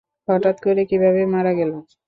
হঠাৎ করে কীভাবে মারা গেল?